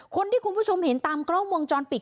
คุณผู้ชมเห็นตามกล้องวงจรปิด